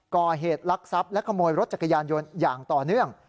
ก่อเหตุลักษัพและขโมยรถจักรยานยนต์อย่างต่อเนื่อง